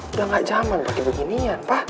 udah gak zaman pake beginian pa